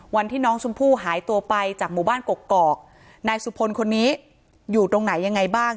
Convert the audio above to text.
วันที่น้องชมพู่หายตัวไปจากหมู่บ้านกกอกนายสุพลคนนี้อยู่ตรงไหนยังไงบ้าง